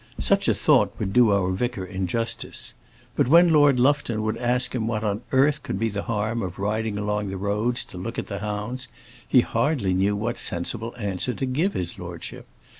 Such a thought would do our vicar injustice. But when Lord Lufton would ask him what on earth could be the harm of riding along the roads to look at the hounds, he hardly knew what sensible answer to give his lordship.